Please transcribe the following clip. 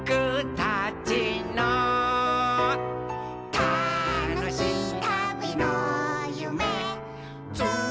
「たのしいたびのゆめつないでる」